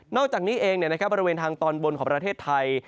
อกจากนี้เองบริเวณทางตอนบนของประเทศไทย